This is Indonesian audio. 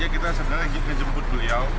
kita sedang lagi menjemput beliau